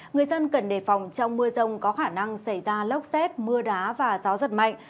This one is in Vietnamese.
người dân cần đề phòng trong mưa rông có khả năng xảy ra lốc xét mưa đá và gió giật mạnh